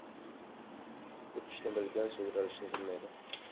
• Uchishni bilgan sudralishni bilmaydi.